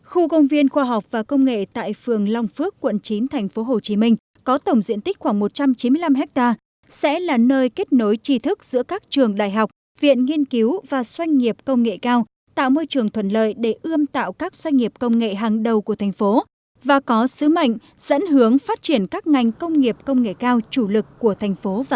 khu công viên khoa học và công nghệ tại phường long phước quận chín tp hcm có tổng diện tích khoảng một trăm chín mươi năm ha sẽ là nơi kết nối trì thức giữa các trường đại học viện nghiên cứu và doanh nghiệp công nghệ cao tạo môi trường thuận lợi để ươm tạo các doanh nghiệp công nghệ hàng đầu của thành phố và có sứ mệnh dẫn hướng phát triển các ngành công nghiệp công nghệ cao chủ lực của thành phố và khu vực